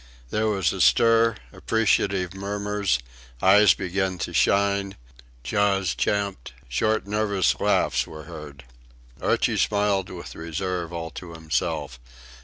There was a stir, appreciative murmurs; eyes began to shine; jaws champed; short, nervous laughs were heard. Archie smiled with reserve all to himself.